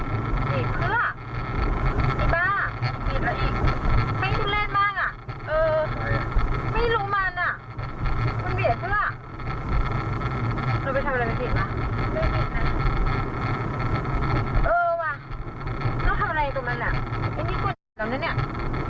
อือไม่มีปัญหาอะไรก็ยังไม่เข้าใจโดยมันขับทะเล